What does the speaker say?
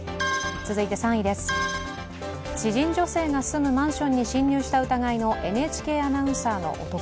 続いて３位です、知人女性が住むマンションに侵入した疑いのＮＨＫアナウンサーの男。